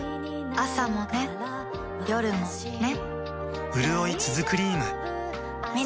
朝もね、夜もね